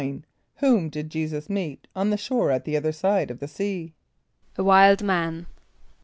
= Whom did J[=e]´[s+]us meet on the shore at the other side of the sea? =A wild man.